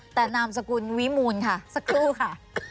แต่นามสกุลวิมูลค่ะสักครู่ค่ะ